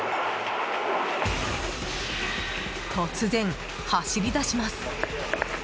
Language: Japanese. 突然走り出します。